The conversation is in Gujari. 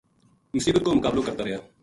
مصیبت کو مقابلو کرتا رہیا